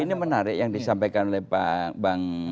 ini menarik yang disampaikan oleh bang